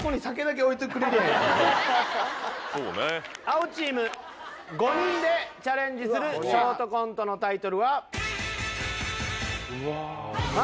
青チーム５人でチャレンジするショートコントのタイトルは。